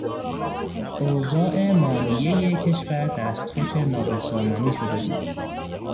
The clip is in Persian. اوضاع مالیهی کشور دستخوش نابسامانی شده بود.